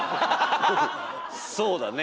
そうだね。